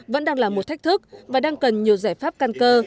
vẫn đang là một thách thức và đang cần nhiều giải pháp căn cơ